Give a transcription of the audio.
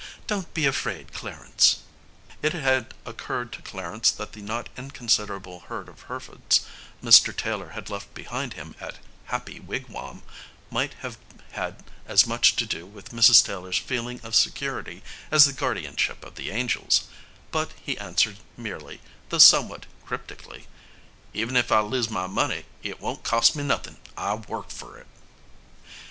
Don't be afraid, Clarence." It had occurred to Clarence that the not inconsiderable herd of Herefords Mr. Taylor had left behind him at "Happy Wigwam" might have had as much to do with Mrs. Taylor's feeling of security as the guardianship of the angels, but he answered merely, though somewhat cryptically: "Even if I lose my money it won't cost me nothin' I worked for it."